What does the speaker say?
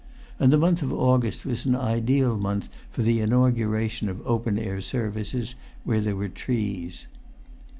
And the month of August was an ideal month for the inauguration of open air services, where there were trees.